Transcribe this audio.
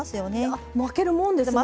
あっ巻けるもんですね！